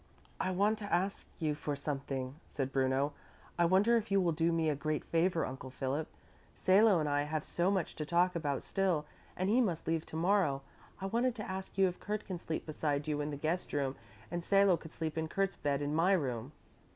"I want to ask you for something," said Bruno. "I wonder if you will do me a great favor, Uncle Philip. Salo and I have so much to talk about still and he must leave to morrow, I wanted to ask you if Kurt can sleep beside you in the guest room and Salo could sleep in Kurt's bed in my room."